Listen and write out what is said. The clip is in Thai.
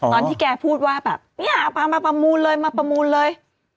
ตอนที่แกพูดว่าแบบเนี่ยมาประมูลเลยมาประมูลเลย